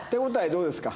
どうですか？